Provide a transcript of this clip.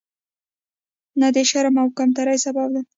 نه د شرم او کمترۍ سبب.